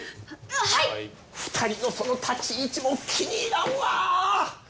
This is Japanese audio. はい２人のその立ち位置も気に入らんわー！